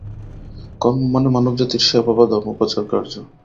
কর্ম মানে মানবজাতির সেবা বা ধর্মপ্রচারকার্য।